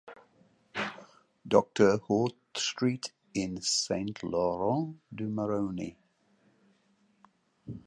Docteur Horth Street in Saint-Laurent-du-Maroni.